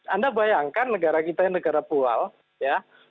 anda bayangkan negara kita yang negara pual ya